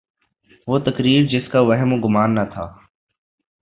وہ تقریر جس کا وہم و گماں نہ تھا۔